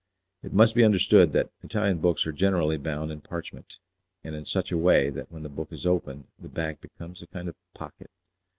It must be understood that Italian books are generally bound in parchment, and in such a way that when the book is opened the back becomes a kind of pocket.